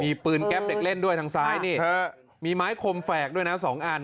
มีปืนแก๊ปเด็กเล่นด้วยทางซ้ายนี่มีไม้คมแฝกด้วยนะสองอัน